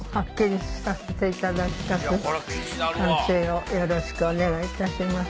鑑定をよろしくお願いいたします。